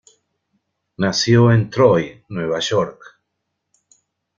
Nació en Troy, Nueva York.